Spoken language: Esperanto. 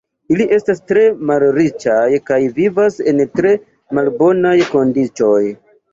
Ili estas tre malriĉaj kaj vivas en tre malbonaj kondiĉoj.